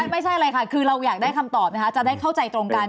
ไม่ใช่อะไรค่ะคือเราอยากได้คำตอบนะคะจะได้เข้าใจตรงกัน